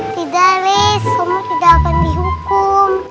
tidak ruis kamu tidak akan dihukum